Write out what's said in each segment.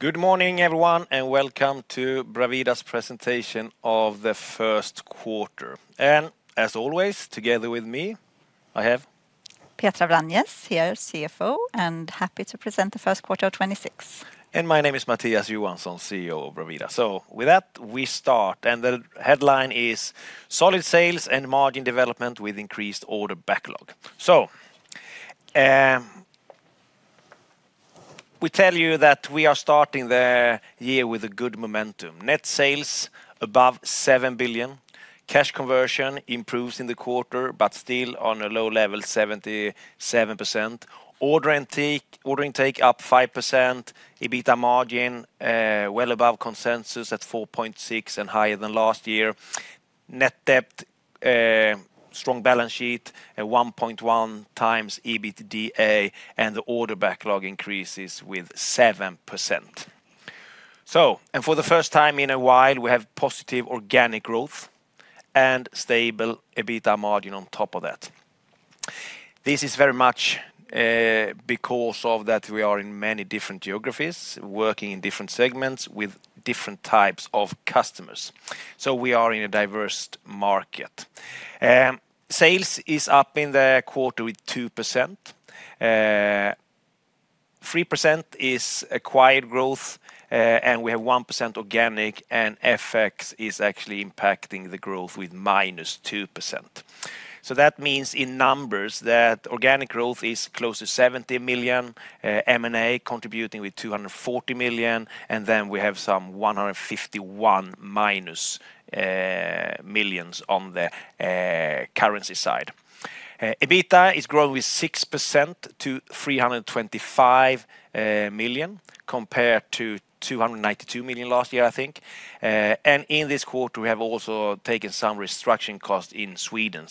Good morning everyone, and welcome to Bravida's presentation of the first quarter. As always, together with me, I have Petra Vranjes here, CFO, and happy to present the first quarter of 2026. My name is Mattias Johansson, CEO of Bravida. With that, we start. The headline is Solid Sales and Margin Development With Increased Order Backlog. We tell you that we are starting the year with a good momentum. Net sales above 7 billion. Cash conversion improves in the quarter, but still on a low level, 77%. Order intake up 5%. EBITA margin, well above consensus at 4.6% and higher than last year. Net debt, strong balance sheet at 1.1 times EBITDA, and the order backlog increases with 7%. For the first time in a while, we have positive organic growth and stable EBITA margin on top of that. This is very much because of that we are in many different geographies working in different segments with different types of customers. We are in a diverse market. Sales is up in the quarter with 2%. 3% is acquired growth, and we have 1% organic, and FX is actually impacting the growth with -2%. That means in numbers that organic growth is close to 70 million, M&A contributing with 240 million, and then we have some -151 million on the currency side. EBITA is growing with 6% to 325 million compared to 292 million last year, I think. In this quarter, we have also taken some restructuring costs in Sweden.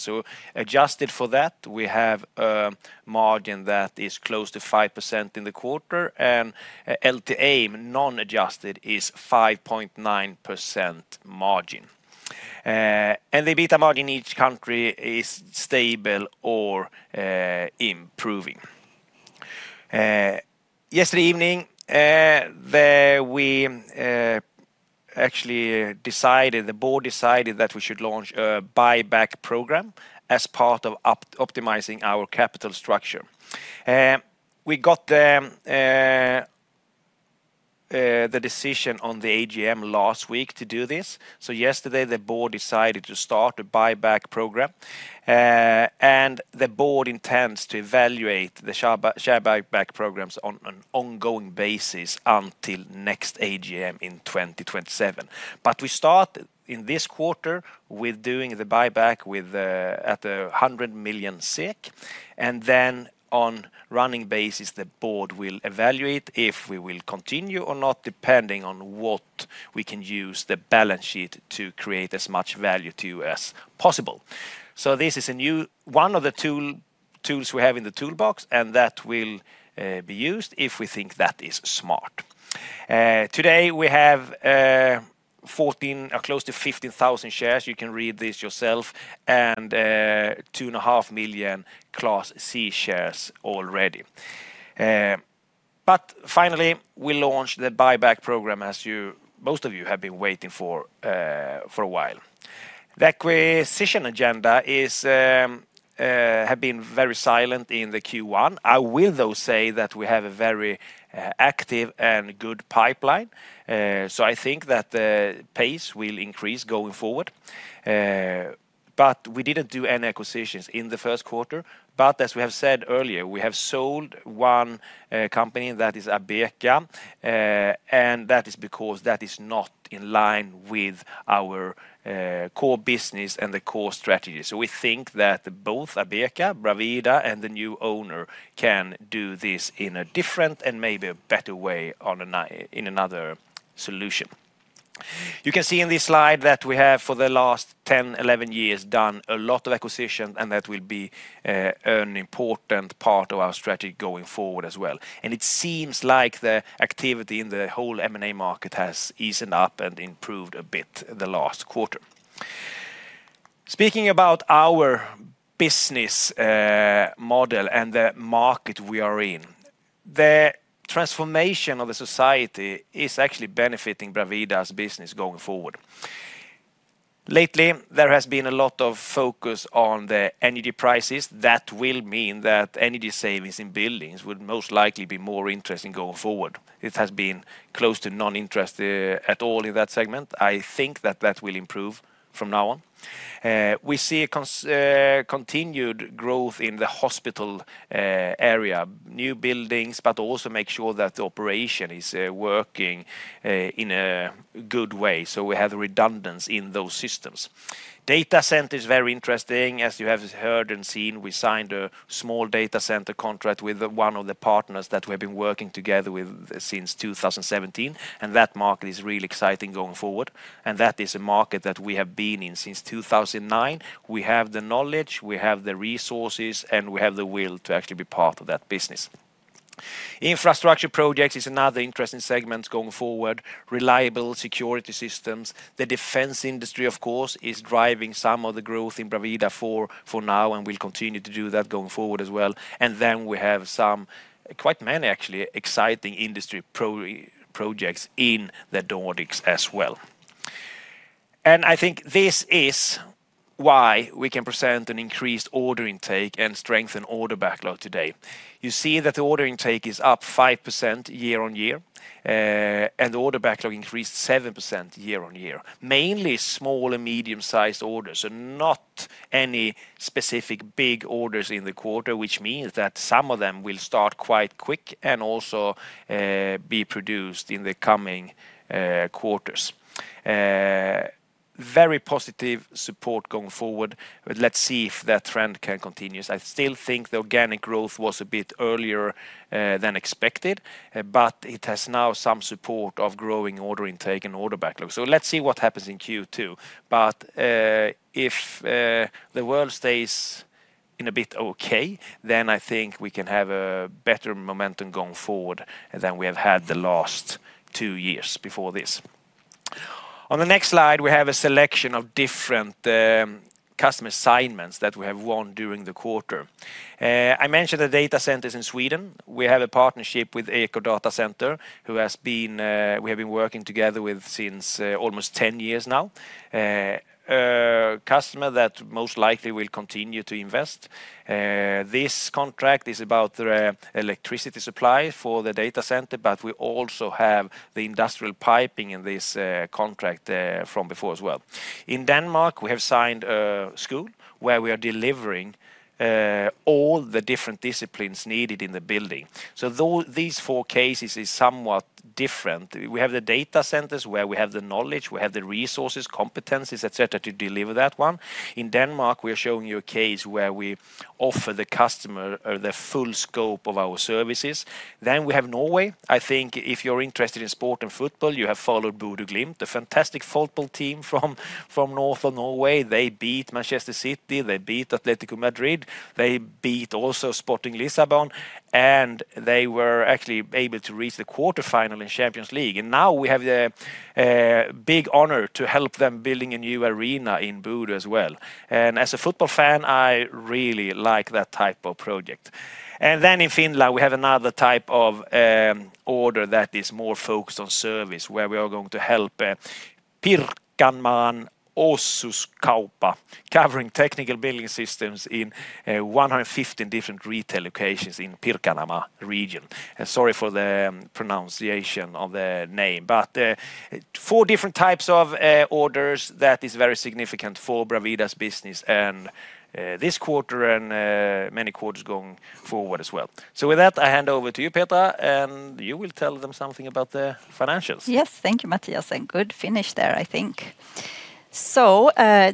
Adjusted for that, we have a margin that is close to 5% in the quarter, and LTA non-adjusted is 5.9% margin. The EBITA margin in each country is stable or improving. Yesterday evening, the board actually decided that we should launch a buyback program as part of optimizing our capital structure. We got the decision on the AGM last week to do this. Yesterday the board decided to start a buyback program. The board intends to evaluate the share buyback programs on an ongoing basis until next AGM in 2027. We start in this quarter with doing the buyback with 100 million SEK. On running basis, the board will evaluate if we will continue or not, depending on what we can use the balance sheet to create as much value to you as possible. This is one of the tools we have in the toolbox, and that will be used if we think that is smart. Today we have 14 or close to 15,000 shares, you can read this yourself, and 2.5 million Class C shares already. Finally, we launched the buyback program as you, most of you have been waiting for for a while. The acquisition agenda has been very silent in the Q1. I will though say that we have a very active and good pipeline. I think that the pace will increase going forward. We didn't do any acquisitions in the first quarter. As we have said earlier, we have sold one company, that is Abeka That is because that is not in line with our core business and the core strategy. We think that both Abeka, Bravida, and the new owner can do this in a different and maybe a better way on another solution. You can see in this slide that we have for the last 10, 11 years done a lot of acquisition, that will be an important part of our strategy going forward as well. It seems like the activity in the whole M&A market has eased up and improved a bit the last quarter. Speaking about our business model and the market we are in, the transformation of the society is actually benefiting Bravida's business going forward. Lately, there has been a lot of focus on the energy prices. That will mean that energy savings in buildings would most likely be more interesting going forward. It has been close to none interest at all in that segment. I think that that will improve from now on. We see a continued growth in the hospital area. New buildings, but also make sure that the operation is working in a good way, so we have redundancy in those systems. Data center is very interesting. As you have heard and seen, we signed a small data center contract with one of the partners that we've been working together with since 2017, and that market is really exciting going forward. That is a market that we have been in since 2009. We have the knowledge, we have the resources, and we have the will to actually be part of that business. Infrastructure projects is another interesting segment going forward. Reliable security systems. The defense industry, of course, is driving some of the growth in Bravida for now and will continue to do that going forward as well. We have some, quite many actually, exciting industry projects in the Nordics as well. I think this is why we can present an increased order intake and strengthen order backlog today. You see that the order intake is up 5% year-over-year, and the order backlog increased 7% year-over-year. Mainly small and medium-sized orders and not any specific big orders in the quarter, which means that some of them will start quite quick and also be produced in the coming quarters. Very positive support going forward, let's see if that trend can continue. I still think the organic growth was a bit earlier than expected, it has now some support of growing order intake and order backlog. Let's see what happens in Q2. If the world stays in a bit okay, then I think we can have a better momentum going forward than we have had the last two years before this. On the next slide, we have a selection of different customer assignments that we have won during the quarter. I mentioned the data centers in Sweden. We have a partnership with EcoDataCenter, who has been working together with since almost 10 years now. A customer that most likely will continue to invest. This contract is about electricity supply for the data center, but we also have the industrial piping in this contract from before as well. In Denmark, we have signed a school where we are delivering all the different disciplines needed in the building. These four cases is somewhat different. We have the data centers where we have the knowledge, we have the resources, competencies, et cetera, to deliver that one. We have Norway. I think if you're interested in sport and football, you have followed Bodø/Glimt, the fantastic football team from north of Norway. They beat Manchester City, they beat Atlético Madrid, they beat also Sporting Lisbon, and they were actually able to reach the quarterfinal in Champions League. Now we have the big honor to help them building a new arena in Bodø as well. As a football fan, I really like that type of project. Then in Finland, we have another type of order that is more focused on service, where we are going to help Pirkanmaan Osuuskauppa, covering technical building systems in 115 different retail locations in Pirkanmaa region. Sorry for the pronunciation of the name. Four different types of orders that is very significant for Bravida's business and this quarter and many quarters going forward as well. With that, I hand over to you, Petra, and you will tell them something about the financials. Yes. Thank you, Mattias, and good finish there, I think.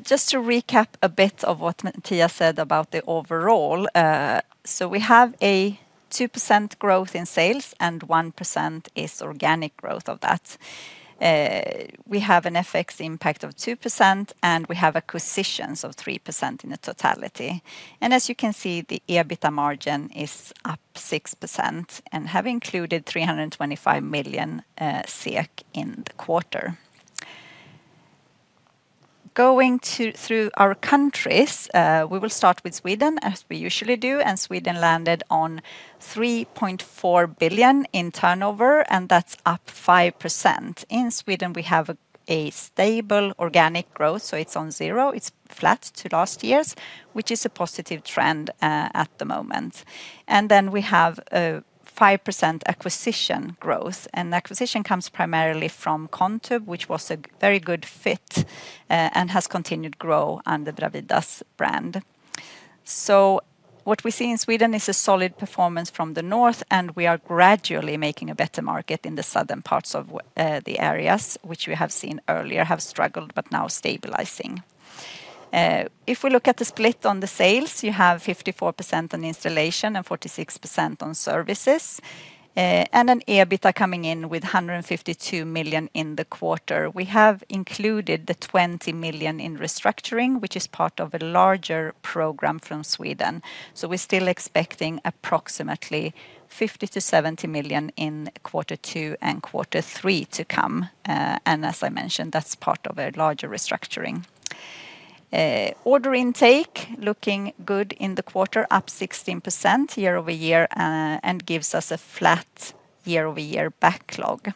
Just to recap a bit of what Mattias said about the overall, so we have a 2% growth in sales and 1% is organic growth of that. We have an FX impact of 2% and we have acquisitions of 3% in the totality. As you can see, the EBITA margin is up 6% and have included 325 million in the quarter. Through our countries, we will start with Sweden, as we usually do, and Sweden landed on 3.4 billion in turnover, and that's up 5%. In Sweden, we have a stable organic growth, so it's on zero. It's flat to last year's, which is a positive trend at the moment. We have a 5% acquisition growth, and the acquisition comes primarily from Contub, which was a very good fit, and has continued grow under Bravida's brand. What we see in Sweden is a solid performance from the north, and we are gradually making a better market in the southern parts of the areas which we have seen earlier have struggled, but now stabilizing. If we look at the split on the sales, you have 54% on installation and 46% on services, and an EBITDA coming in with 152 million in the quarter. We have included the 20 million in restructuring, which is part of a larger program from Sweden. We're still expecting approximately 50 million-70 million in quarter two and quarter three to come. As I mentioned, that's part of a larger restructuring. Order intake looking good in the quarter, up 16% year-over-year, gives us a flat year-over-year backlog.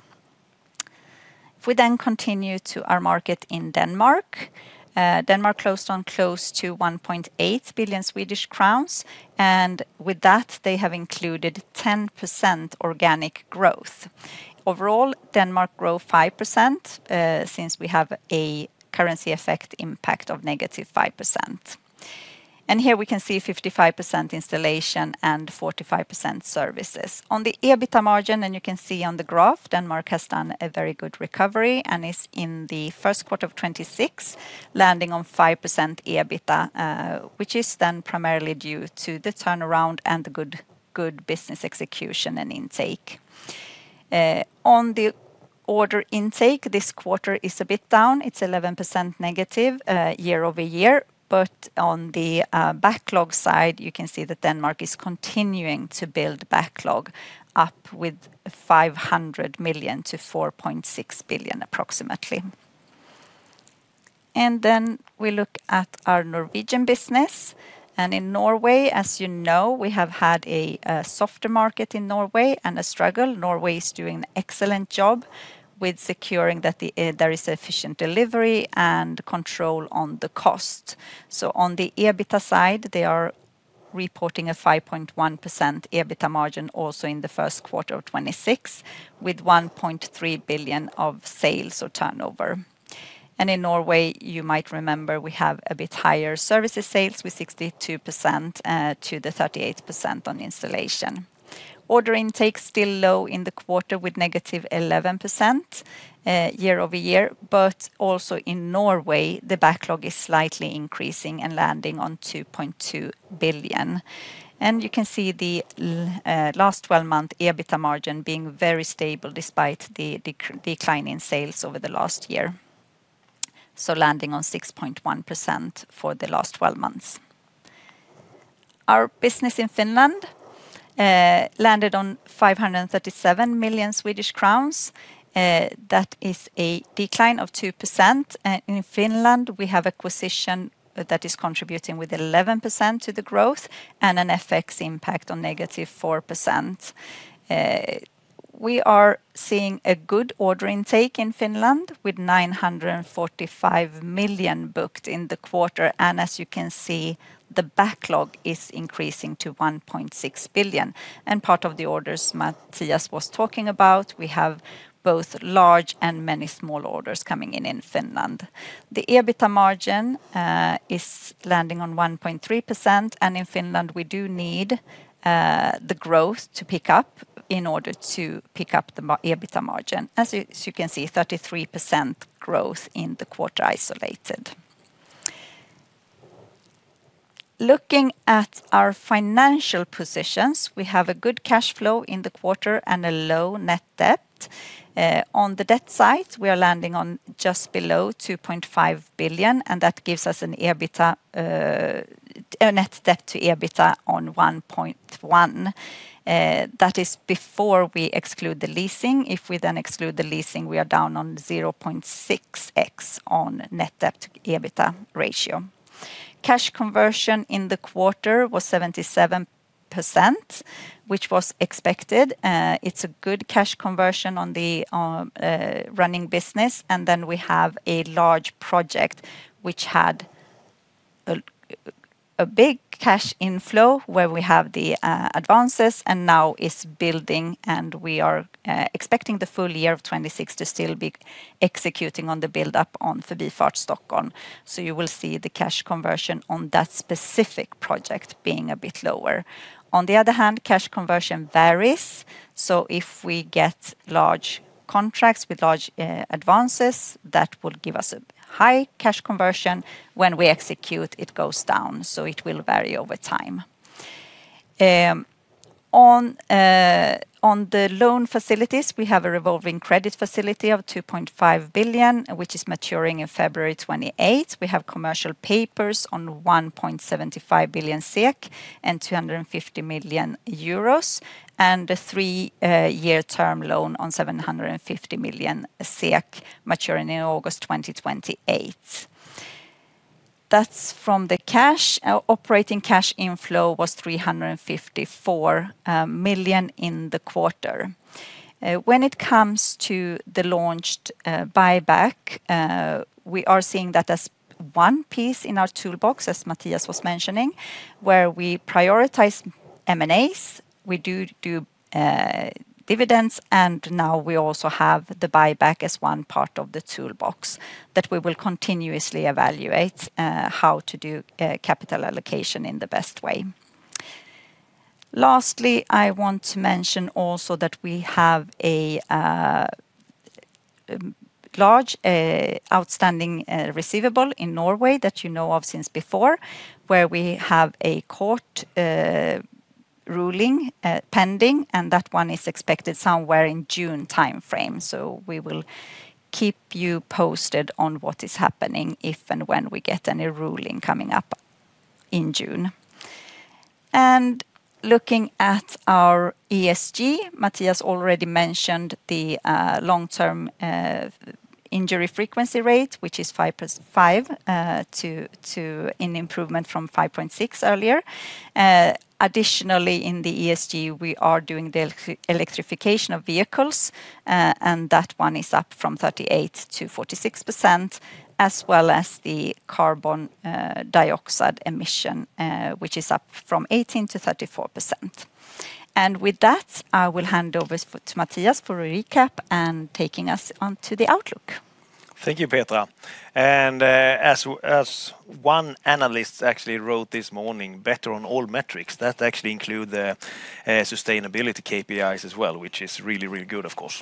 If we then continue to our market in Denmark closed on close to 1.8 billion Swedish crowns, and with that, they have included 10% organic growth. Overall, Denmark grow 5%, since we have a currency effect impact of -5%. Here, we can see 55% installation and 45% services. On the EBITDA margin, you can see on the graph, Denmark has done a very good recovery and is in the first quarter of 2026 landing on 5% EBITDA, which is then primarily due to the turnaround and the good business execution and intake. On the order intake, this quarter is a bit down. It's 11% negative, year-over-year. On the backlog side, you can see that Denmark is continuing to build backlog up with 500 million to 4.6 billion approximately. We look at our Norwegian business. In Norway, as you know, we have had a softer market in Norway and a struggle. Norway is doing an excellent job with securing that there is efficient delivery and control on the cost. On the EBITDA side, they are reporting a 5.1% EBITA margin also in the first quarter of 2026, with 1.3 billion of sales or turnover. In Norway, you might remember, we have a bit higher services sales with 62% to the 38% on installation. Order intake still low in the quarter with negative 11% year-over-year. In Norway, the backlog is slightly increasing and landing on 2.2 billion. The last twelve-month EBITA margin being very stable despite the decline in sales over the last year, so landing on 6.1% for the last twelve months. Our business in Finland landed on 537 million Swedish crowns. That is a decline of 2%. In Finland, we have acquisition that is contributing with 11% to the growth and an FX impact on -4%. We are seeing a good order intake in Finland with 945 million booked in the quarter. The backlog is increasing to 1.6 billion, and part of the orders Mattias was talking about. We have both large and many small orders coming in in Finland. The EBITA margin is landing on 1.3%. In Finland, we do need the growth to pick up in order to pick up the EBITA margin. As you can see, 33% growth in the quarter isolated. Looking at our financial positions, we have a good cash flow in the quarter and a low net debt. On the debt side, we are landing on just below 2.5 billion. That gives us an EBITA, a net debt to EBITA on 1.1. That is before we exclude the leasing. If we then exclude the leasing, we are down on 0.6x on net debt to EBITA ratio. Cash conversion in the quarter was 77%, which was expected. It's a good cash conversion on the running business. We have a large project which had a big cash inflow where we have the advances and now is building, and we are expecting the full year of 2026 to still be executing on the buildup on Förbifart Stockholm. You will see the cash conversion on that specific project being a bit lower. On the other hand, cash conversion varies, so if we get large contracts with large advances, that will give us a high cash conversion. When we execute, it goes down, so it will vary over time. On the loan facilities, we have a revolving credit facility of 2.5 billion, which is maturing in February 2028. We have commercial papers on 1.75 billion SEK and 250 million euros, and a three year term loan on 750 million SEK maturing in August 2028. That's from the cash. Our operating cash inflow was 354 million in the quarter. When it comes to the launched buyback, we are seeing that as one piece in our toolbox, as Mattias was mentioning, where we prioritize M&As. We do dividends. Now we also have the buyback as one part of the toolbox that we will continuously evaluate how to do capital allocation in the best way. Lastly, I want to mention also that we have a large outstanding receivable in Norway that you know of since before, where we have a court ruling pending, and that one is expected somewhere in June timeframe. We will keep you posted on what is happening if and when we get any ruling coming up in June. Looking at our ESG, Mattias already mentioned the long-term injury frequency rate, which is 5.5, an improvement from 5.6 earlier. Additionally, in the ESG, we are doing the electrification of vehicles, and that one is up from 38%-46%, as well as the carbon dioxide emission, which is up from 18%-34%. With that, I will hand over to Mattias for a recap and taking us on to the outlook. Thank you, Petra. As one analyst actually wrote this morning, better on all metrics, that actually include the sustainability KPIs as well, which is really, really good, of course.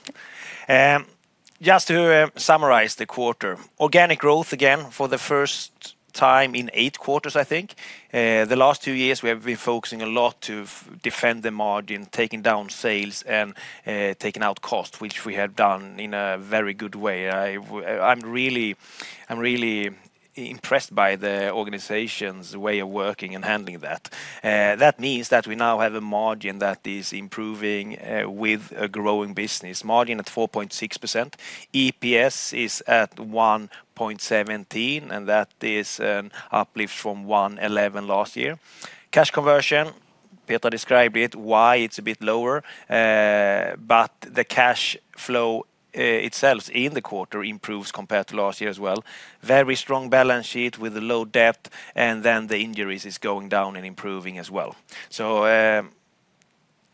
Just to summarize the quarter. Organic growth again for the first time in eight quarters, I think. The last two years, we have been focusing a lot to defend the margin, taking down sales and taking out cost, which we have done in a very good way. I'm really impressed by the organization's way of working and handling that. That means that we now have a margin that is improving with a growing business. Margin at 4.6%. EPS is at 1.17, and that is an uplift from 1.11 last year. Cash conversion. Petra described it why it's a bit lower. The cash flow itself in the quarter improves compared to last year as well. Very strong balance sheet with a low debt. The injuries is going down and improving as well.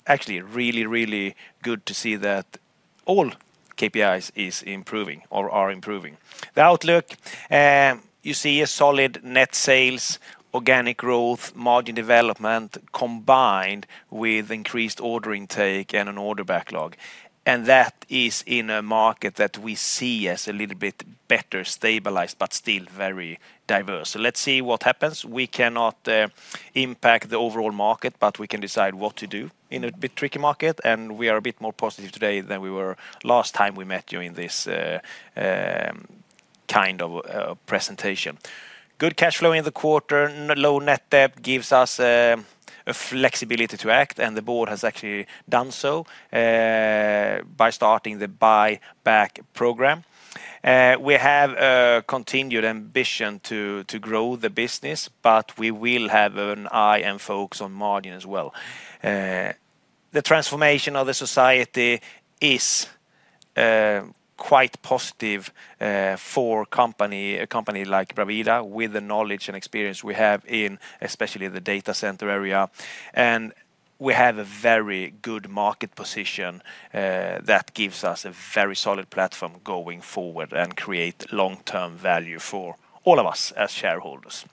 Actually really, really good to see that all KPIs is improving or are improving. The outlook, you see a solid net sales, organic growth, margin development combined with increased order intake and an order backlog. That is in a market that we see as a little bit better stabilized but still very diverse. Let's see what happens. We cannot impact the overall market. We can decide what to do in a bit tricky market. We are a bit more positive today than we were last time we met during this kind of presentation. Good cash flow in the quarter. Low net debt gives us a flexibility to act, and the board has actually done so by starting the buyback program. We have a continued ambition to grow the business, but we will have an eye and focus on margin as well. The transformation of the society is quite positive for a company like Bravida with the knowledge and experience we have in especially the data center area. We have a very good market position that gives us a very solid platform going forward and create long-term value for all of us as shareholders.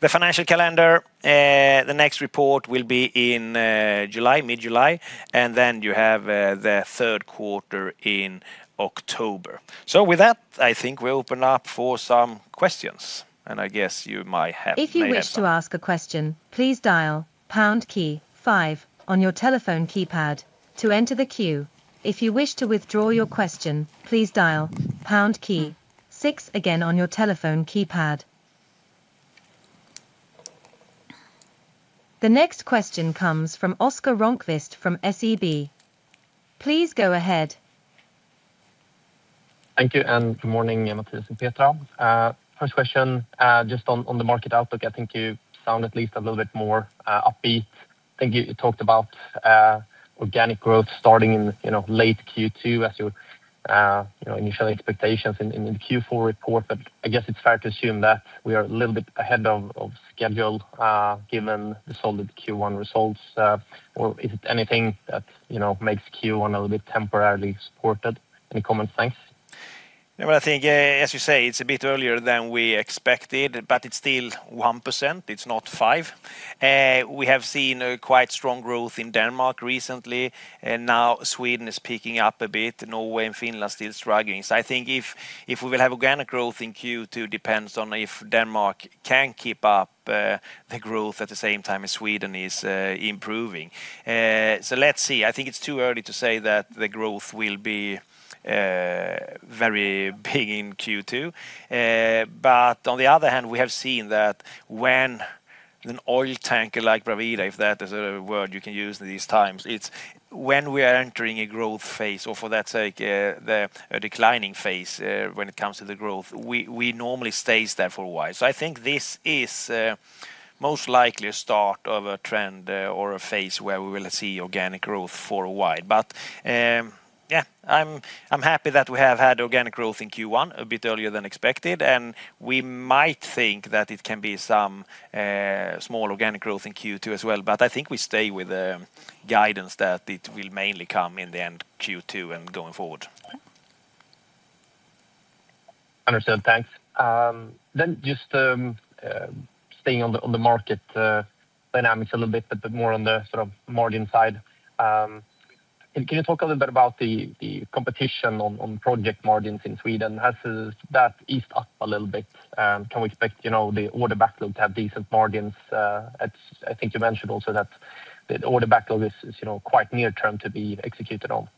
The financial calendar, the next report will be in July, mid-July, and then you have the third quarter in October. With that, I think we open up for some questions. And I guess you might have. If you wish to ask a question, please dial pound key five on your telephone keypad to enter the queue, if you wish to withdraw your question, please dial pound key six again on your telephone keypad. The next question comes from Oskar Rönnkvist from SEB. Please go ahead. Thank you and good morning Mattias and Petra. First question, just on the market outlook. I think you sound at least a little bit more upbeat. I think you talked about organic growth starting in, you know, late Q2 as your, you know, initial expectations in the Q4 report. I guess it's fair to assume that we are a little bit ahead of schedule, given the solid Q1 results. Or is it anything that, you know, makes Q1 a little bit temporarily supported? Any comments? Thanks. I think, as you say, it's a bit earlier than we expected, but it's still 1%. It's not 5%. We have seen a quite strong growth in Denmark recently, now Sweden is picking up a bit. Norway and Finland still struggling. I think if we will have organic growth in Q2 depends on if Denmark can keep up the growth at the same time as Sweden is improving. Let's see. I think it's too early to say that the growth will be very big in Q2. On the other hand, we have seen that when an oil tanker like Bravida, if that is a word you can use these times, it's when we are entering a growth phase or for that sake, the declining phase, when it comes to the growth, we normally stays there for a while. I think this is most likely a start of a trend, or a phase where we will see organic growth for a while. Yeah, I'm happy that we have had organic growth in Q1 a bit earlier than expected, and we might think that it can be some small organic growth in Q2 as well. I think we stay with the guidance that it will mainly come in the end Q2 and going forward. Understood. Thanks. Just staying on the market dynamics a little bit, but more on the sort of margin side. Can you talk a little bit about the competition on project margins in Sweden? Has that eased up a little bit? Can we expect, you know, the order backlog to have decent margins? At I think you mentioned also that the order backlog is, you know, quite near term to be executed on.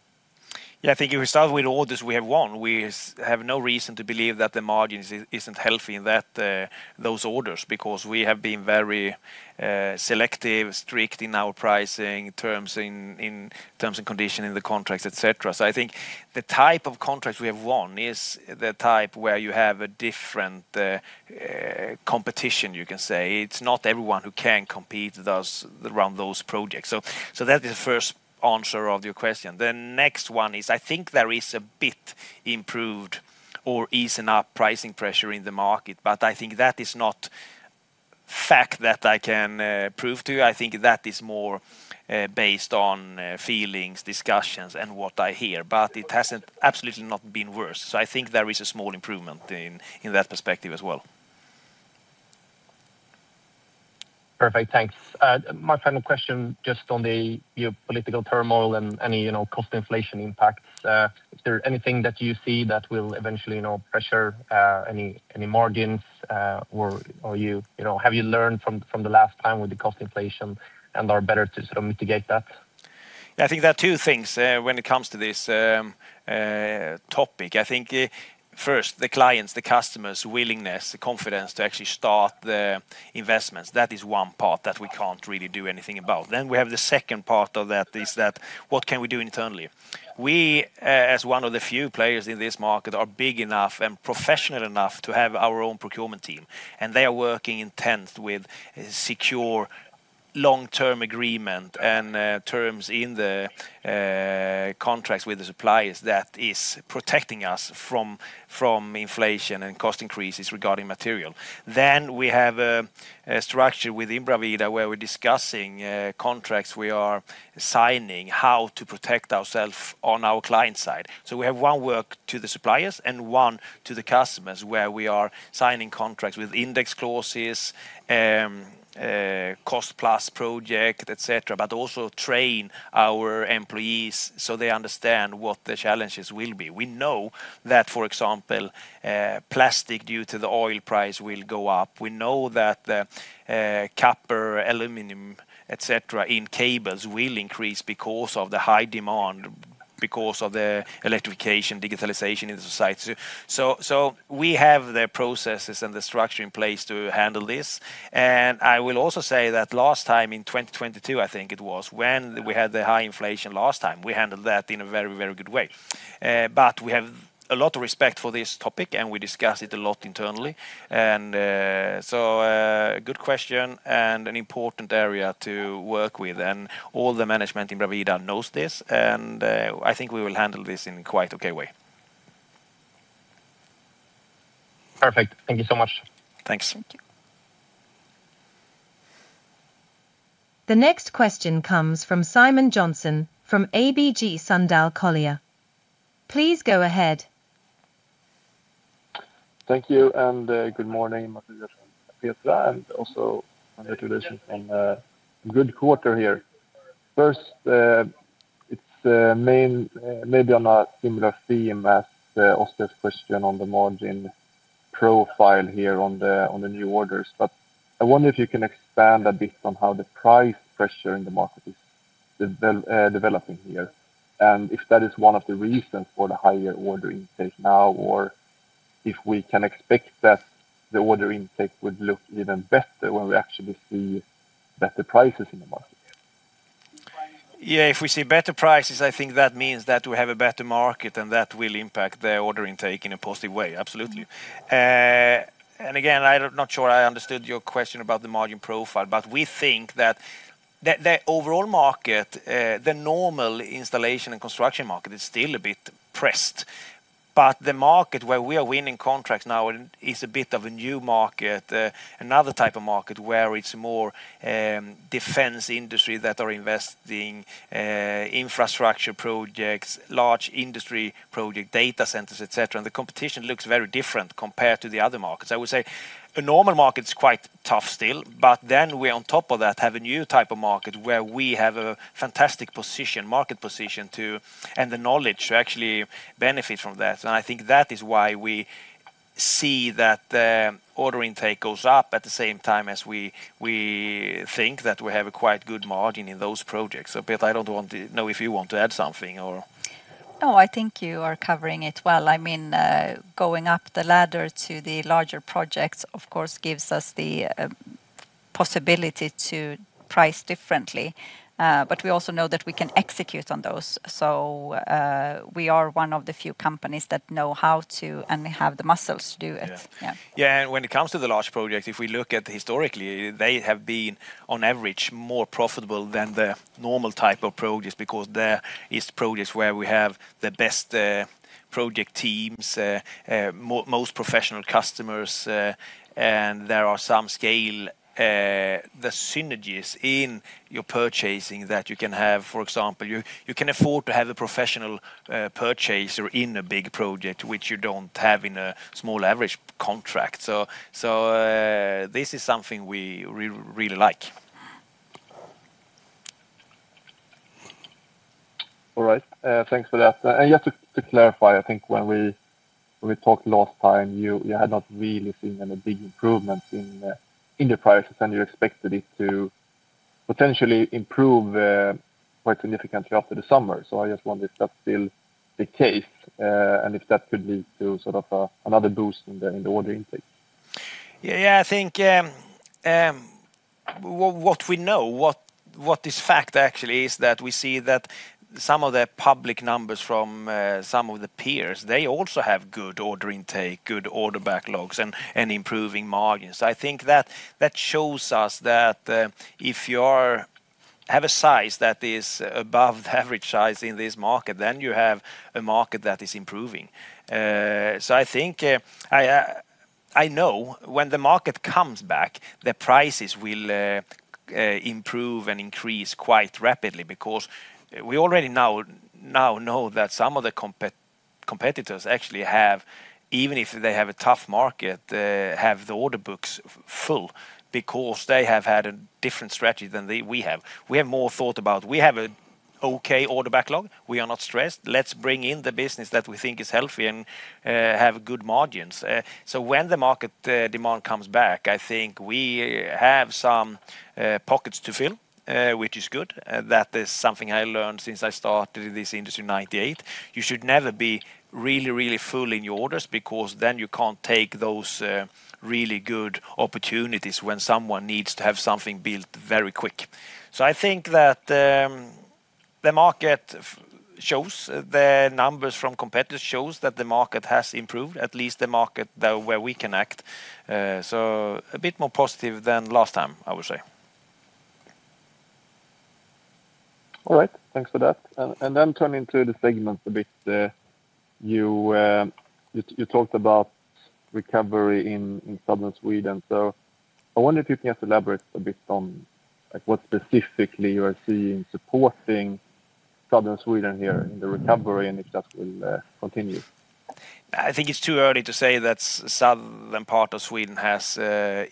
Yeah. I think if we start with orders we have won, we have no reason to believe that the margins isn't healthy in that, those orders because we have been very, selective, strict in our pricing terms, in terms and condition in the contracts, et cetera. I think the type of contracts we have won is the type where you have a different competition you can say. It's not everyone who can compete those around those projects. That is the first answer of your question. The next one is I think there is a bit improved or easing up pricing pressure in the market, I think that is not fact that I can prove to you. I think that is more based on feelings, discussions, and what I hear. It hasn't absolutely not been worse. I think there is a small improvement in that perspective as well. Perfect. Thanks. My final question just on the geopolitical turmoil and any, you know, cost inflation impacts. Is there anything that you see that will eventually, you know, pressure any margins or you know, have you learned from the last time with the cost inflation and are better to sort of mitigate that? I think there are two things when it comes to this topic. I think, first, the clients, the customers' willingness, the confidence to actually start the investments. That is one part that we can't really do anything about. We have the second part of that is that what can we do internally? We, as one of the few players in this market are big enough and professional enough to have our own procurement team, and they are working intense with secure long-term agreement and terms in the contracts with the suppliers that is protecting us from inflation and cost increases regarding material. We have a structure within Bravida where we're discussing contracts we are signing, how to protect ourself on our client side. We have one work to the suppliers and one to the customers where we are signing contracts with index clauses, cost-plus project, et cetera, but also train our employees so they understand what the challenges will be. We know that, for example, plastic due to the oil price will go up. We know that the copper, aluminum, et cetera, in cables will increase because of the high demand, because of the electrification, digitalization in society. We have the processes and the structure in place to handle this. I will also say that last time in 2022, I think it was, when we had the high inflation last time, we handled that in a very, very good way. We have a lot of respect for this topic, and we discuss it a lot internally. Good question and an important area to work with. All the management in Bravida knows this, and I think we will handle this in quite okay way. Perfect. Thank you so much. Thanks. Thank you. The next question comes from Simon Johnson from ABG Sundal Collier. Please go ahead. Thank you, and good morning Mattias and Petra, and also congratulations on a good quarter here. First, it's maybe on a similar theme as Oskar's question on the margin profile here on the new orders. I wonder if you can expand a bit on how the price pressure in the market is developing here, and if that is one of the reasons for the higher order intake now, or if we can expect that the order intake would look even better when we actually see better prices in the market? Yeah, if we see better prices, I think that means that we have a better market, and that will impact the order intake in a positive way. Absolutely. Again, not sure I understood your question about the margin profile. We think that the overall market, the normal installation and construction market is still a bit pressed. The market where we are winning contracts now is a bit of a new market, another type of market where it's more defense industry that are investing, infrastructure projects, large industry project data centers, et cetera, and the competition looks very different compared to the other markets. I would say a normal market's quite tough still, but then we on top of that have a new type of market where we have a fantastic position, market position to, and the knowledge to actually benefit from that. I think that is why we see that the order intake goes up at the same time as we think that we have a quite good margin in those projects. Petra, I don't want to know if you want to add something or? No, I think you are covering it well. I mean, going up the ladder to the larger projects of course gives us the possibility to price differently. We also know that we can execute on those. We are one of the few companies that know how to and have the muscles to do it. Yeah. Yeah. Yeah, when it comes to the large project, if we look at historically, they have been on average more profitable than the normal type of projects because they're these projects where we have the best project teams, most professional customers, and there are some scale synergies in your purchasing that you can have. For example, you can afford to have a professional purchaser in a big project, which you don't have in a small average contract. This is something we really like. All right. Thanks for that. Just to clarify, I think when we talked last time, you had not really seen any big improvements in your prices, and you expected it to potentially improve quite significantly after the summer. I just wonder if that's still the case, and if that could lead to sort of a, another boost in the, in the order intake? Yeah. I think what we know, what is fact actually is that we see that some of the public numbers from some of the peers, they also have good order intake, good order backlogs, and improving margins. I think that shows us that if you have a size that is above the average size in this market, then you have a market that is improving. I think I know when the market comes back, the prices will improve and increase quite rapidly because we already now know that some of the competitors actually have, even if they have a tough market, have the order books full because they have had a different strategy than we have. We have more thought about we have a okay order backlog. We are not stressed. Let's bring in the business that we think is healthy and have good margins. When the market demand comes back, I think we have some pockets to fill, which is good. That is something I learned since I started in this industry in 1998. You should never be really full in your orders because then you can't take those really good opportunities when someone needs to have something built very quick. I think that the market shows the numbers from competitors shows that the market has improved, at least the market that where we can act. A bit more positive than last time, I would say. All right. Thanks for that. Then turning to the segments a bit, you talked about recovery in southern Sweden. I wonder if you can elaborate a bit on, like, what specifically you are seeing supporting southern Sweden here in the recovery and if that will continue. I think it's too early to say that southern part of Sweden has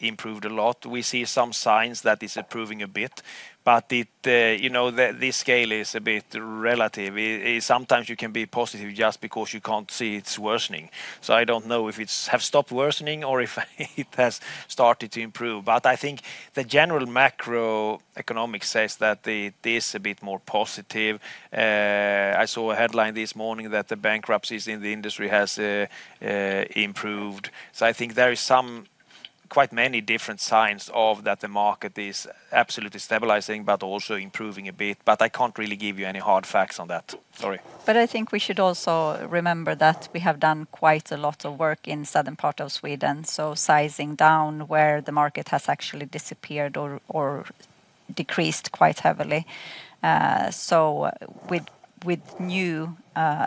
improved a lot. We see some signs that it's improving a bit, you know, this scale is a bit relative. It sometimes you can be positive just because you can't see it's worsening. I don't know if it's have stopped worsening or if it has started to improve. I think the general macroeconomic says that this a bit more positive. I saw a headline this morning that the bankruptcies in the industry has improved. I think there is some quite many different signs of that the market is absolutely stabilizing but also improving a bit, but I can't really give you any hard facts on that. Sorry. I think we should also remember that we have done quite a lot of work in southern part of Sweden, so sizing down where the market has actually disappeared or decreased quite heavily. With new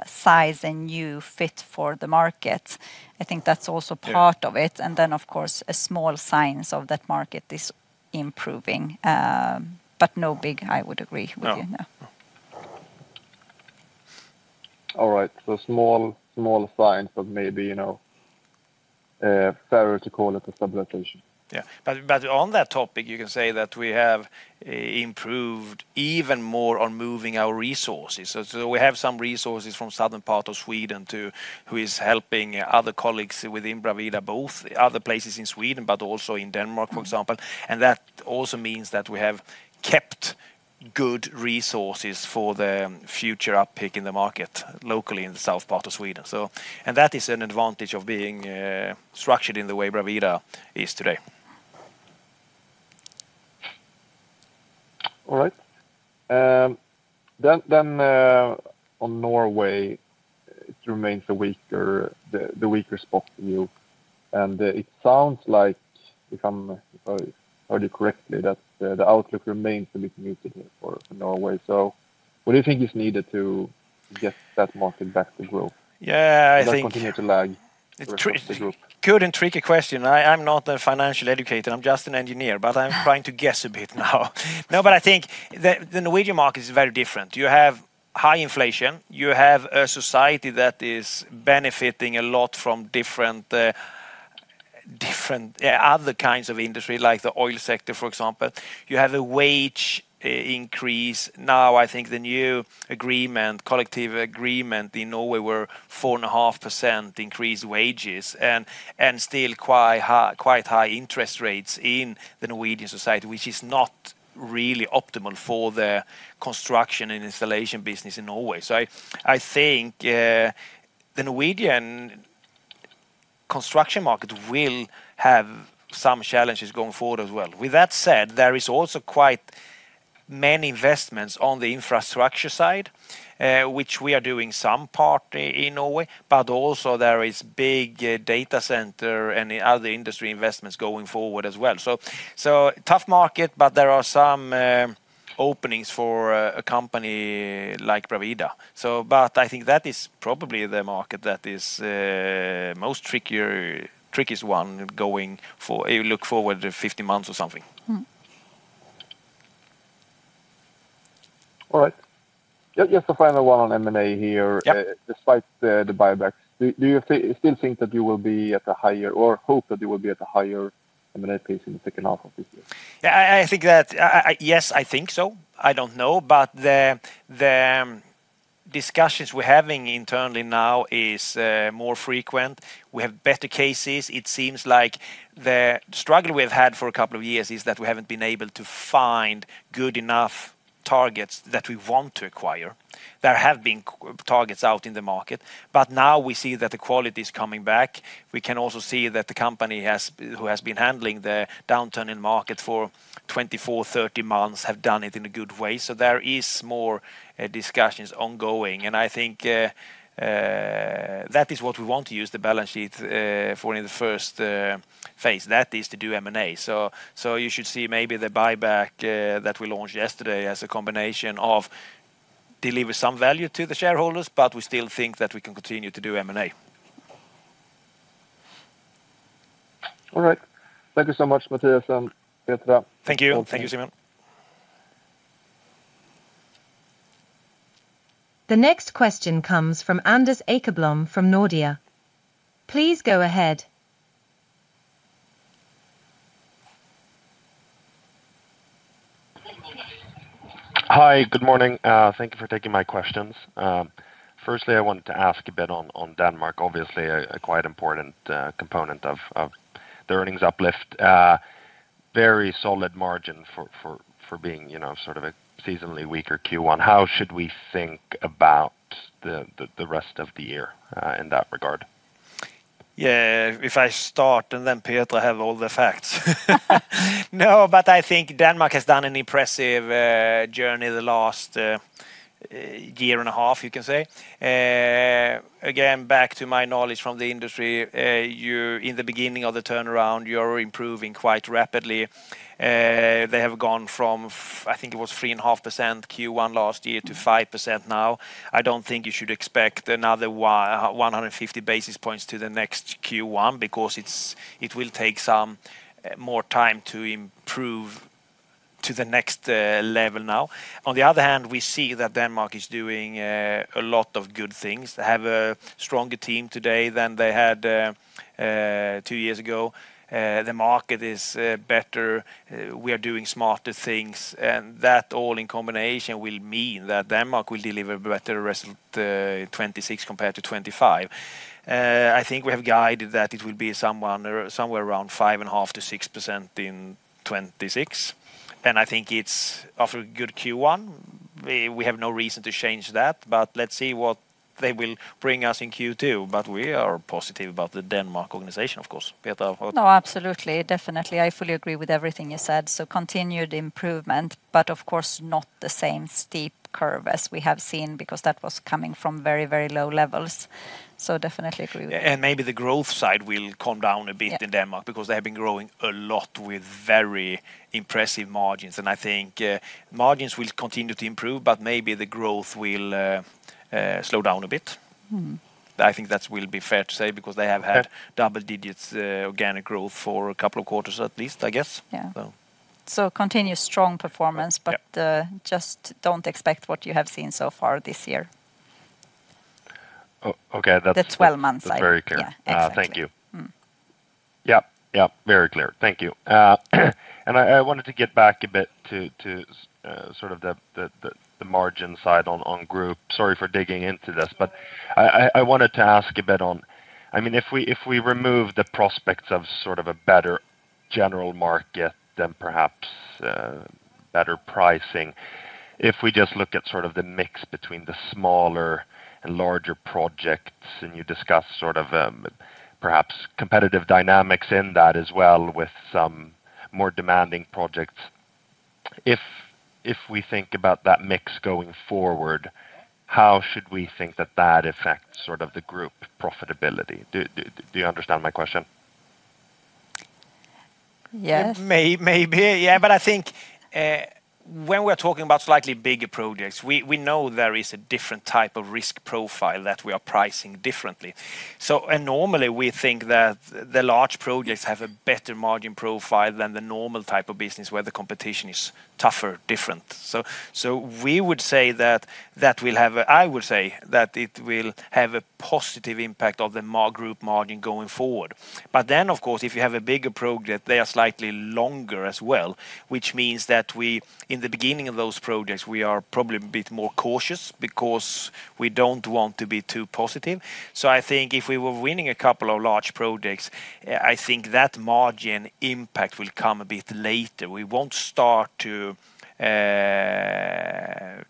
size and new fit for the market, I think that's also part of it. Of course, small signs of that market is improving. No big, I would agree with you. No. No. All right. Small signs, but maybe, you know, fairer to call it a stabilization. Yeah. On that topic, you can say that we have improved even more on moving our resources. We have some resources from southern part of Sweden to who is helping other colleagues within Bravida, both other places in Sweden but also in Denmark, for example. That also means that we have kept good resources for the future uptick in the market locally in the south part of Sweden. That is an advantage of being structured in the way Bravida is today. All right. Then on Norway, it remains the weaker spot to you. It sounds like, if I heard you correctly, that the outlook remains a little muted here for Norway. What do you think is needed to get that market back to growth? Yeah. It does continue to lag the rest of the group. It's good and tricky question. I'm not a financial educator, I'm just an engineer. I'm trying to guess a bit now. I think the Norwegian market is very different. You have high inflation. You have a society that is benefiting a lot from different different other kinds of industry like the oil sector, for example. You have a wage increase. I think the new agreement, collective agreement in Norway were 4.5% increased wages and still quite high interest rates in the Norwegian society, which is not really optimal for the construction and installation business in Norway. I think the Norwegian construction market will have some challenges going forward as well. With that said, there is also quite many investments on the infrastructure side, which we are doing some part in Norway, but also there is big data center and other industry investments going forward as well. Tough market, but there are some openings for a company like Bravida. I think that is probably the market that is most trickiest one going for if you look forward to 15 months or something. All right. Just a final one on M&A here. Yeah. Despite the buybacks, do you still think that you will be at a higher or hope that you will be at a higher M&A pace in the second half of this year? Yeah. I think that, yes, I think so. I don't know. The discussions we're having internally now is more frequent. We have better cases. It seems like the struggle we've had for a couple of years is that we haven't been able to find good enough targets that we want to acquire. There have been targets out in the market, but now we see that the quality is coming back. We can also see that the company has who has been handling the downturn in market for 24, 30 months have done it in a good way. There is more discussions ongoing, and I think that is what we want to use the balance sheet for in the first phase. That is to do M&A. You should see maybe the buyback, that we launched yesterday as a combination of deliver some value to the shareholders, but we still think that we can continue to do M&A. All right. Thank you so much, Mattias and Petra. Thank you. Thank you, Simon. Welcome. The next question comes from Anders Åkerblom from Nordea. Please go ahead. Hi, good morning. Thank you for taking my questions. Firstly, I wanted to ask a bit on Denmark, obviously a quite important component of the earnings uplift. Very solid margin for being, you know, sort of a seasonally weaker Q1. How should we think about the rest of the year in that regard? Yeah, if I start and then Petra have all the facts. No, I think Denmark has done an impressive journey the last year and a half, you can say. Again, back to my knowledge from the industry, in the beginning of the turnaround, you're improving quite rapidly. They have gone from, I think it was 3.5% Q1 last year to 5% now. I don't think you should expect another 150 basis points to the next Q1 because it's, it will take some more time to improve to the next level now. On the other hand, we see that Denmark is doing a lot of good things. They have a stronger team today than they had two years ago. The market is better. We are doing smarter things, and that all in combination will mean that Denmark will deliver better result, 2026 compared to 2025. I think we have guided that it will be somewhere around 5.5%-6% in 2026, and I think it's after a good Q1. We have no reason to change that, but let's see what they will bring us in Q2. We are positive about the Denmark organization, of course. Petra. No, absolutely. Definitely. I fully agree with everything you said. Continued improvement, but of course not the same steep curve as we have seen because that was coming from very, very low levels. Definitely agree with you. Maybe the growth side will come down a bit in Denmark because they have been growing a lot with very impressive margins. I think margins will continue to improve, but maybe the growth will slow down a bit. I think that will be fair to say because they have had double digits, organic growth for a couple of quarters at least, I guess. Yeah. So. Continuous strong performance. Yeah. Just don't expect what you have seen so far this year. Okay. The 12 month side. That's very clear. Yeah, exactly. Thank you. Yeah. Yeah. Very clear. Thank you. I wanted to get back a bit to sort of the margin side on group. Sorry for digging into this, but I wanted to ask a bit on I mean, if we remove the prospects of sort of a better general market than perhaps better pricing, if we just look at sort of the mix between the smaller and larger projects, and you discuss sort of perhaps competitive dynamics in that as well with some more demanding projects. If we think about that mix going forward, how should we think that that affects sort of the group profitability? Do you understand my question? Yes. Maybe. Yeah. I think, when we're talking about slightly bigger projects, we know there is a different type of risk profile that we are pricing differently. Normally, we think that the large projects have a better margin profile than the normal type of business where the competition is tougher, different. We would say that it will have a positive impact of the group margin going forward. Of course, if you have a bigger project, they are slightly longer as well, which means that we, in the beginning of those projects, we are probably a bit more cautious because we don't want to be too positive. I think if we were winning a couple of large projects, I think that margin impact will come a bit later. We won't start to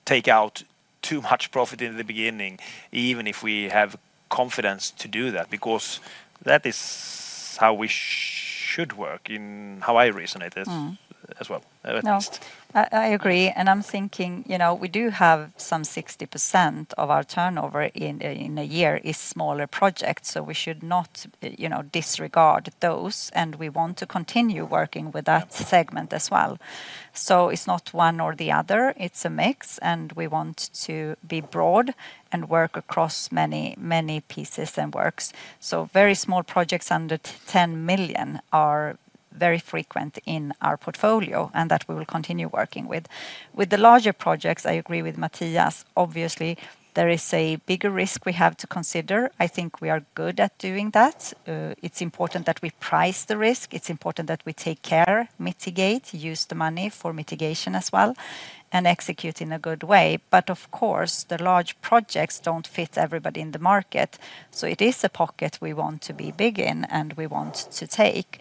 take out too much profit in the beginning, even if we have confidence to do that, because that is how we should work in how I reason it is. as well. At least. No, I agree. I'm thinking, you know, we do have some 60% of our turnover in a year is smaller projects, so we should not, you know, disregard those, and we want to continue working with that segment as well. It's not one or the other, it's a mix, and we want to be broad and work across many, many pieces and works. Very small projects under 10 million are very frequent in our portfolio, and that we will continue working with. With the larger projects, I agree with Mattias, obviously, there is a bigger risk we have to consider. I think we are good at doing that. It's important that we price the risk. It's important that we take care, mitigate, use the money for mitigation as well, and execute in a good way. Of course, the large projects don't fit everybody in the market. It is a pocket we want to be big in, and we want to take.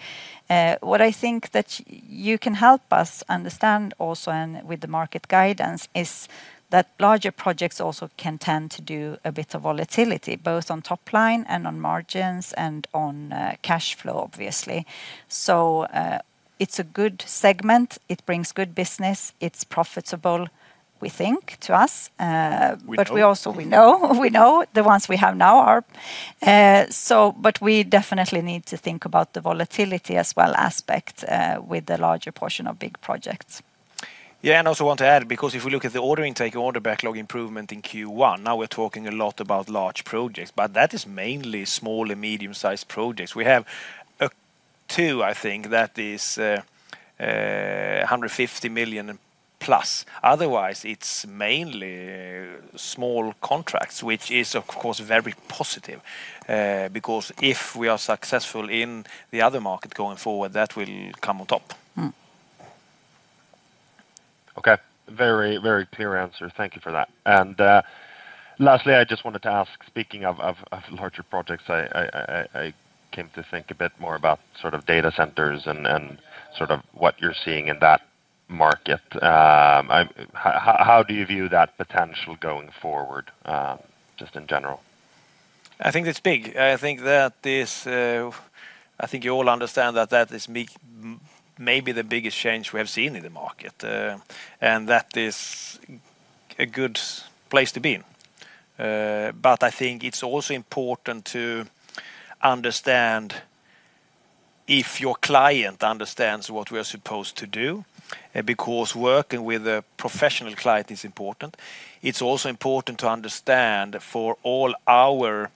What I think that you can help us understand also and with the market guidance is that larger projects also can tend to do a bit of volatility, both on top line and on margins and on cash flow, obviously. It's a good segment. It brings good business. It's profitable, we think, to us. We hope. We know. We know the ones we have now are. We definitely need to think about the volatility as well aspect with the larger portion of big projects. I also want to add, because if we look at the order intake, order backlog improvement in Q1, now we're talking a lot about large projects, but that is mainly small and medium-sized projects. We have two, I think that is 150 million plus. Otherwise, it's mainly small contracts, which is, of course, very positive, because if we are successful in the other market going forward, that will come on top. Okay. Very, very clear answer. Thank you for that. Lastly, I just wanted to ask, speaking of larger projects, I came to think a bit more about sort of data centers and what you're seeing in that market. How do you view that potential going forward, just in general? I think it's big. I think that this, I think you all understand that is maybe the biggest change we have seen in the market, and that is a good place to be. I think it's also important to understand if your client understands what we are supposed to do, because working with a professional client is important. It's also important to understand for all our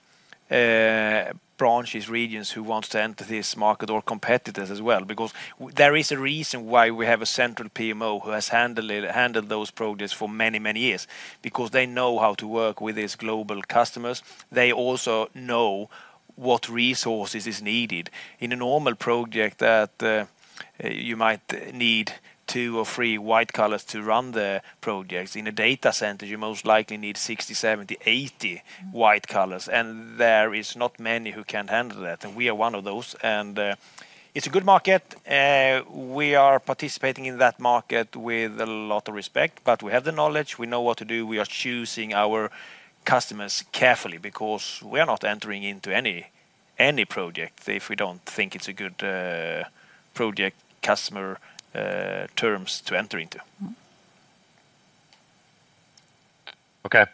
branches, regions who wants to enter this market or competitors as well, because there is a reason why we have a central PMO who has handled those projects for many, many years because they know how to work with these global customers. They also know what resources is needed. In a normal project that, you might need two or three white collars to run the projects. In a data center, you most likely need 60, 70, 80 white collars, and there is not many who can handle that, and we are one of those. It's a good market. We are participating in that market with a lot of respect, but we have the knowledge. We know what to do. We are choosing our customers carefully because we are not entering into any project if we don't think it's a good project customer, terms to enter into. Okay.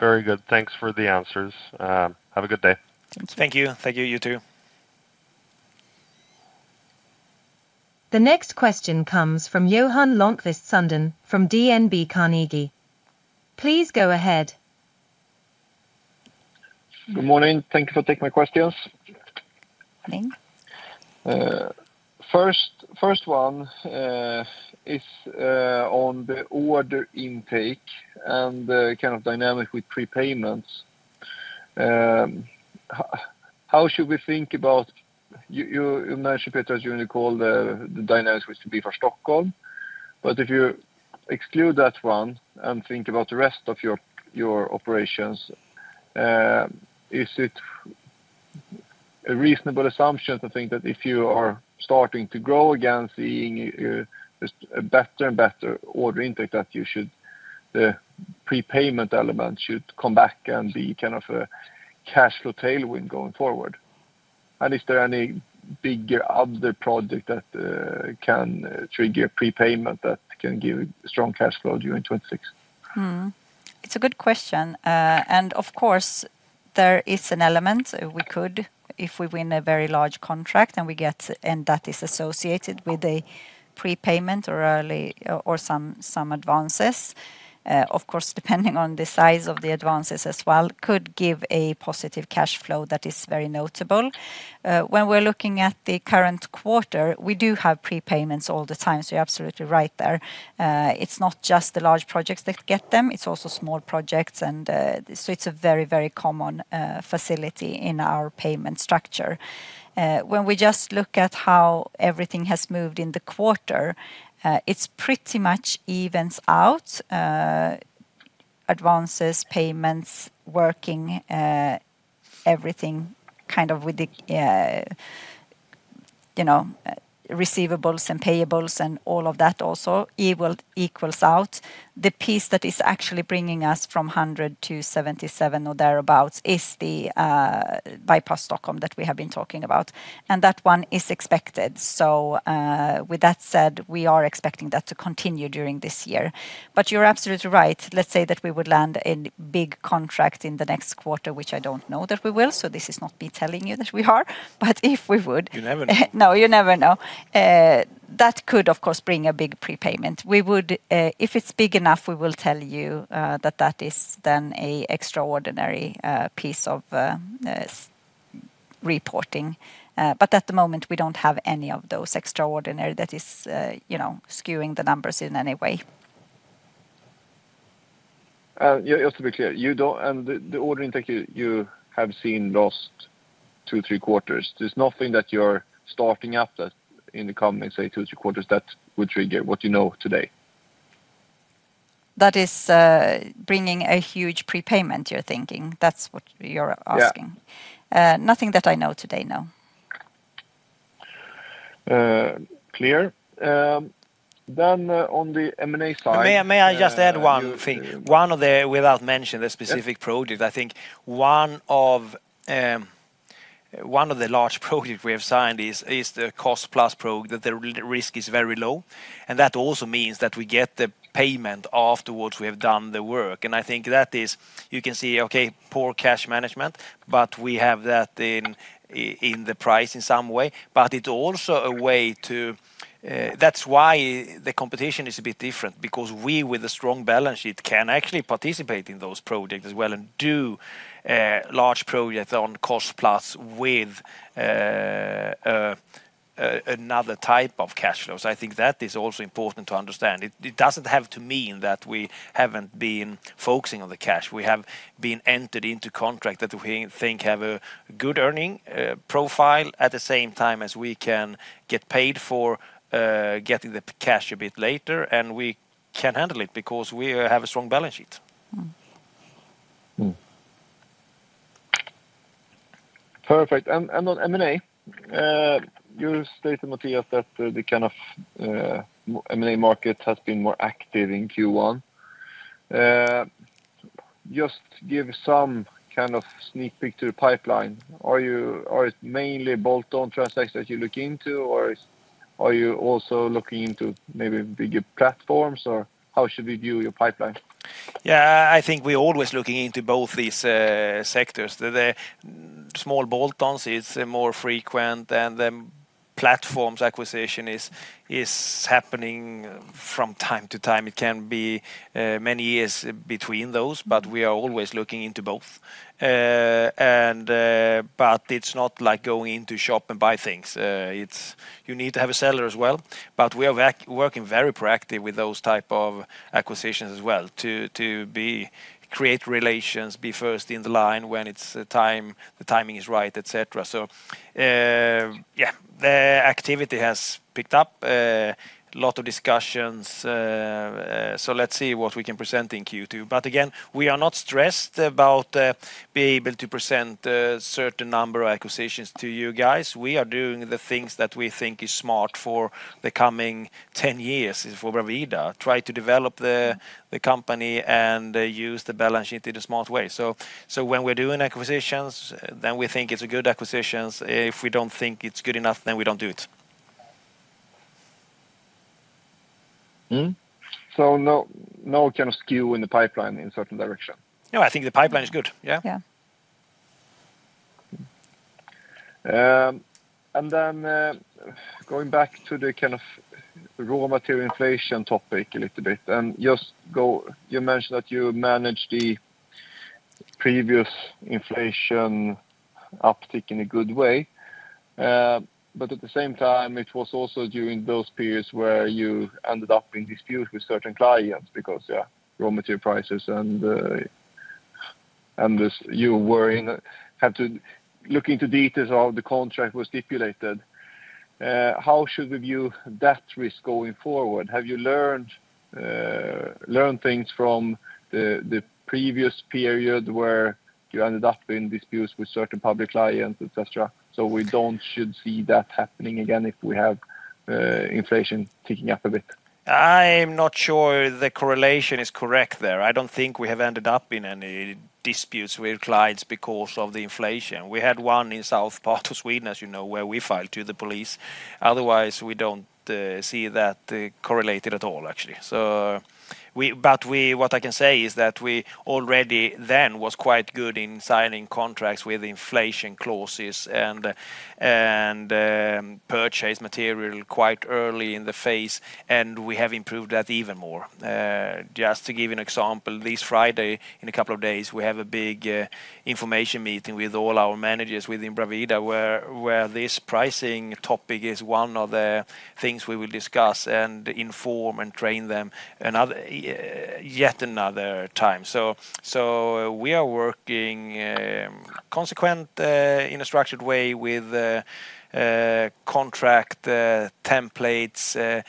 Very good. Thanks for the answers. Have a good day. Thanks. Thank you. Thank you. You too. The next question comes from Johan Lönnqvist Sundén from DNB Carnegie. Please go ahead. Good morning. Thank you for taking my questions. Morning. First one is on the order intake and the kind of dynamic with prepayments. How should we think about? You mentioned, Petra, during the call the dynamics which could be for Stockholm. If you exclude that one and think about the rest of your operations, is it a reasonable assumption to think that if you are starting to grow again, seeing a just a better and better order intake that the prepayment element should come back and be kind of a cash flow tailwind going forward? Is there any bigger other project that can trigger prepayment that can give strong cash flow during 2026? It's a good question. Of course, there is an element we could, if we win a very large contract, and that is associated with a prepayment or early or some advances. Depending on the size of the advances as well could give a positive cash flow that is very notable. When we're looking at the current quarter, we do have prepayments all the time, so you're absolutely right there. It's not just the large projects that get them. It's also small projects and it's a very common facility in our payment structure. When we just look at how everything has moved in the quarter, it's pretty much evens out, advances, payments, working, everything kind of with the, you know, receivables and payables and all of that also equals out. The piece that is actually bringing us from 100-77 or thereabouts is the Bypass Stockholm that we have been talking about, and that one is expected. With that said, we are expecting that to continue during this year. You're absolutely right. Let's say that we would land a big contract in the next quarter, which I don't know that we will, so this is not me telling you that we are. You never know. No, you never know. That could, of course, bring a big prepayment. We would, if it's big enough, we will tell you that that is then a extraordinary piece of reporting. At the moment, we don't have any of those extraordinary that is, you know, skewing the numbers in any way. Yeah, just to be clear, the order intake you have seen last two, three quarters, there's nothing that you're starting up that in the coming, say, two, three quarters that would trigger what you know today? That is, bringing a huge prepayment, you're thinking? That's what you're asking. Yeah. Nothing that I know today, no. Clear. On the M&A side, May I just add one thing? One of the, without mentioning the specific project. Yeah. I think one of, one of the large projects we have signed is the cost-plus that the risk is very low, and that also means that we get the payment after what we have done the work. I think that is, you can see, okay, poor cash management, but we have that in the price in some way. It also a way to, that's why the competition is a bit different because we with a strong balance sheet can actually participate in those projects as well and do large projects on cost-plus with another type of cash flows. I think that is also important to understand. It doesn't have to mean that we haven't been focusing on the cash. We have been entered into contract that we think have a good earning profile at the same time as we can get paid for getting the cash a bit later. We can handle it because we have a strong balance sheet. Perfect. On M&A, you stated, Mattias, that the kind of M&A market has been more active in Q1. Just give some kind of sneak peek to the pipeline. Are it mainly bolt-on transactions that you look into, or are you also looking into maybe bigger platforms, or how should we view your pipeline? I think we're always looking into both these sectors. The small bolt-ons is more frequent than the platforms acquisition is happening from time to time. It can be many years between those, but we are always looking into both. It's not like going into shop and buy things. You need to have a seller as well. We are working very proactive with those type of acquisitions as well to create relations, be first in the line when it's time, the timing is right, et cetera. The activity has picked up, lot of discussions. Let's see what we can present in Q2. Again, we are not stressed about being able to present a certain number of acquisitions to you guys. We are doing the things that we think is smart for the coming 10 years for Bravida, try to develop the company, and use the balance sheet in a smart way. When we're doing acquisitions, then we think it's a good acquisitions. If we don't think it's good enough, then we don't do it. Mm-hmm. No, no kind of skew in the pipeline in certain direction? No, I think the pipeline is good. Yeah. Yeah. Going back to the kind of raw material inflation topic a little bit, you mentioned that you managed the previous inflation uptick in a good way. At the same time, it was also during those periods where you ended up in dispute with certain clients because, yeah, raw material prices and this, had to look into details of the contract was stipulated. How should we view that risk going forward? Have you learned things from the previous period where you ended up in disputes with certain public clients, et cetera? We don't should see that happening again if we have inflation ticking up a bit. I'm not sure the correlation is correct there. I don't think we have ended up in any disputes with clients because of the inflation. We had one in south part of Sweden, as you know, where we filed to the police. Otherwise, we don't see that correlated at all, actually. What I can say is that we already then was quite good in signing contracts with inflation clauses and purchase material quite early in the phase, and we have improved that even more. Just to give you an example, this Friday, in a couple of days, we have a big information meeting with all our managers within Bravida where this pricing topic is one of the things we will discuss and inform and train them another yet another time. We are working consequent in a structured way with contract templates,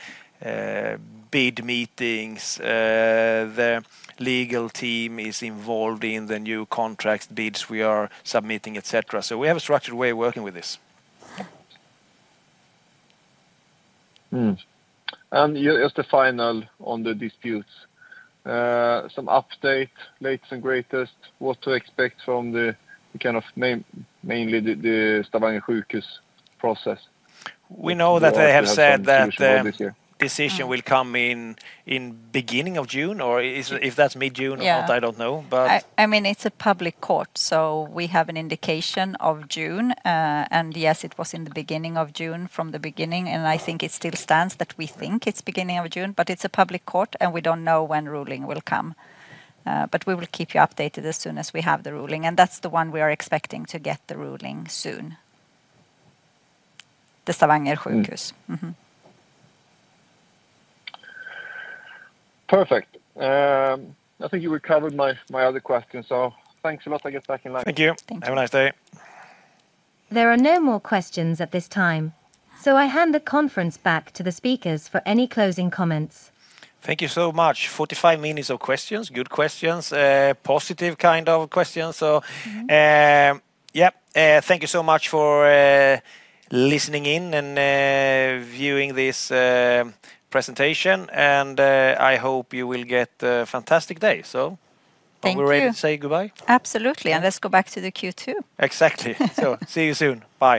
bid meetings. The legal team is involved in the new contracts bids we are submitting, et cetera. We have a structured way of working with this. Just a final on the disputes. Some update, latest and greatest, what to expect from the kind of mainly the Stavanger Sykehus process? We know that they have said that. Some conclusion of this year. decision will come in beginning of June, or if that's mid-June or not, I don't know. I mean, it's a public court, so we have an indication of June. Yes, it was in the beginning of June from the beginning, and I think it still stands that we think it's beginning of June, but it's a public court, and we don't know when ruling will come. We will keep you updated as soon as we have the ruling, and that's the one we are expecting to get the ruling soon. The Stavanger Sykehus. Perfect. I think you recovered my other question, so thanks a lot. I get back in line. Thank you. Thank you. Have a nice day. There are no more questions at this time. I hand the conference back to the speakers for any closing comments. Thank you so much. 45 minutes of questions, good questions, positive kind of questions. Yeah, thank you so much for listening in and viewing this presentation. I hope you will get a fantastic day. Thank you. Are we ready to say goodbye? Absolutely. Let's go back to the Q2. Exactly. see you soon. Bye